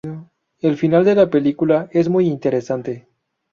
El final de la película es muy interesante.